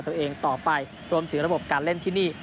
ตัวเองต่อไปรวมถึงระบบการเล่นที่นี่